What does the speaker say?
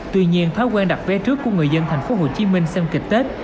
tuy nhiên thói quen đặt vé trước của người dân tp hcm xem kịch tết